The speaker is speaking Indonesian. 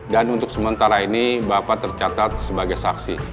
dan untuk sementara ini bapak tercatat sebagai saksi